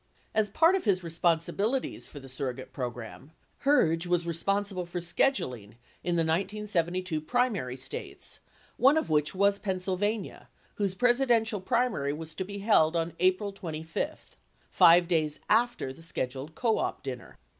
As part of his responsibilities for the surro gate program, Herge was responsible for scheduling in the 1972 pri mary States, one of which was Pennsylvania, whose Presidential pri mary was to be held on April 25 — 5 days after the scheduled co op dinner.